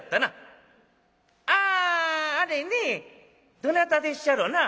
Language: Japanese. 「ああれねどなたでっしゃろな？」。